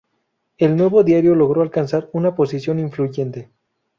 El nuevo diario logró alcanzar una posición influyente.